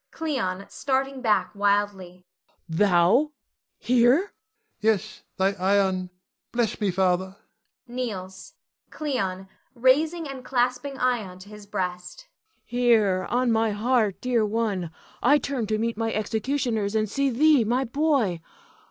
Cleon [starting back wildly]. Thou? Here! Ion. Yes, thy Ion; bless me, Father [kneels]. Cleon [raising and clasping Ion to his breast]. Here, on my heart, dear one. I turn to meet my executioners, and see thee, my boy.